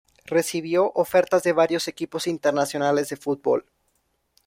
Recibió ofertas de varios equipos internacionales de fútbol.